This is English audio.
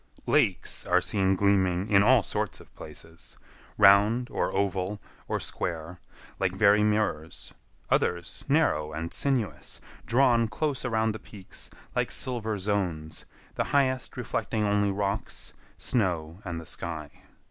Lakes are seen gleaming in all sorts of places,—round, or oval, or square, like very mirrors; others narrow and sinuous, drawn close around the peaks like silver zones, the highest reflecting only rocks, snow, and the sky.